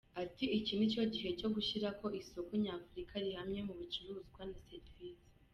Ati “ Iki ni cyo gihe cyo gushyiraho isoko Nyafurika rihamye, mu bicuruzwa, na serivisi.